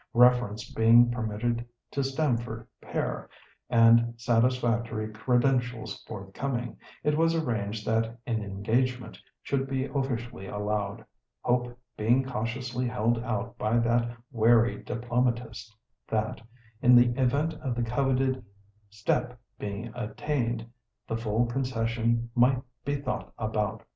Reference being permitted to Stamford père, and satisfactory credentials forthcoming, it was arranged that an "engagement" should be officially allowed, hope being cautiously held out by that wary diplomatist that, in the event of the coveted "step" being attained, the full concession might be thought about.